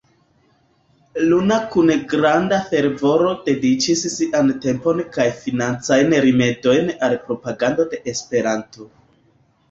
Luna kun granda fervoro dediĉis sian tempon kaj financajn rimedojn al propagando de Esperanto.